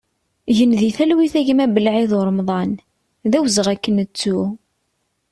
Gen di talwit a gma Blaïd Uremḍan, d awezɣi ad k-nettu!